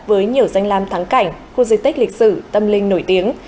với nhiều danh lam thắng cảnh khu di tích lịch sử tâm linh nổi tiếng